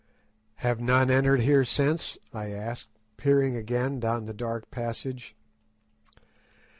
"Have none entered here since?" I asked, peering again down the dark passage.